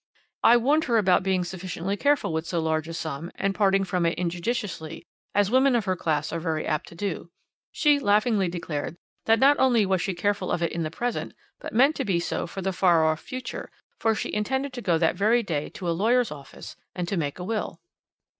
I warned her about being sufficiently careful with so large a sum, and parting from it injudiciously, as women of her class are very apt to do. She laughingly declared that not only was she careful of it in the present, but meant to be so for the far off future, for she intended to go that very day to a lawyer's office and to make a will.'